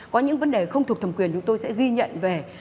có những vấn đề không thuộc thầm quyền chúng tôi sẽ ghi nhận về